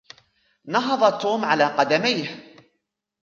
نهض توم على قدميه.